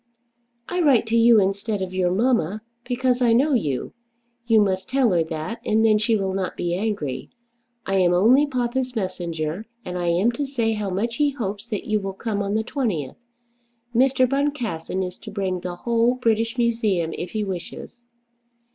"I write to you instead of your mamma, because I know you. You must tell her that, and then she will not be angry. I am only papa's messenger, and I am to say how much he hopes that you will come on the 20th. Mr. Boncassen is to bring the whole British Museum if he wishes."